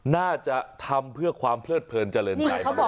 น่าจะทำเพื่อความเพลิดเผลิน